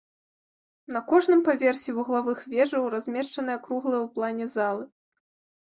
На кожным паверсе вуглавых вежаў размешчаныя круглыя ў плане залы.